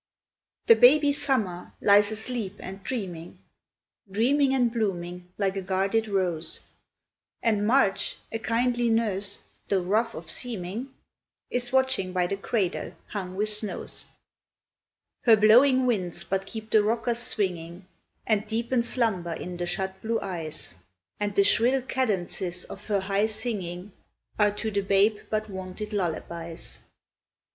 The baby Summer lies asleep and dreaming Dreaming and blooming like a guarded rose; And March, a kindly nurse, though rude of seeming, Is watching by the cradle hung with snows. Her blowing winds but keep the rockers swinging, And deepen slumber in the shut blue eyes, And the shrill cadences of her high singing Are to the babe but wonted lullabies.